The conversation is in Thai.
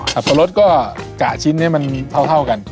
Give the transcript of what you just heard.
สับปะรสก็กะชิ้นให้มันเท่ากัน